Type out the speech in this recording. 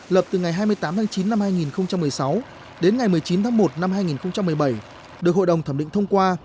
lập từ ngày hai mươi tám tháng chín năm hai nghìn một mươi sáu đến ngày một mươi chín tháng một năm hai nghìn một mươi bảy được hội đồng thẩm định thông qua